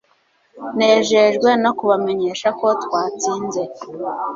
Nejejwe no kubamenyesha ko twatsinze